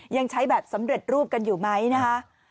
ยังใช้แบบสำเร็จรูปกันอยู่ไหมนะคะ